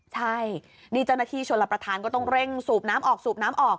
ใช่นี่เจ้าหน้าที่ชนรับประทานก็ต้องเร่งสูบน้ำออกสูบน้ำออก